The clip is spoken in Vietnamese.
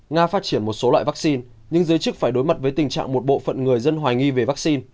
nga phát triển một số loại vaccine nhưng giới chức phải đối mặt với tình trạng một bộ phận người dân hoài nghi về vaccine